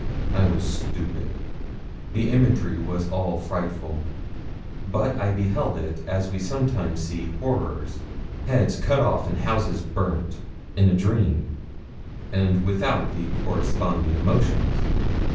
I was stupid the imagery was all frightful; but I beheld it as we sometimes see horrors heads cut off and houses burnt in a dream, and without the corresponding emotions.